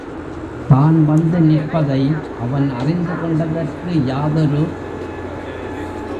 தான் வந்து நிற்பதை அவன் அறிந்து கொண்டதற்கு யாதொரு.